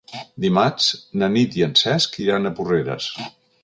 Dimarts na Nit i en Cesc iran a Porreres.